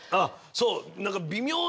そう！